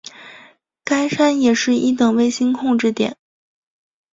该山也是一等卫星控制点。